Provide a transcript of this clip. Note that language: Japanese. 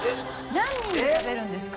何人で食べるんですか？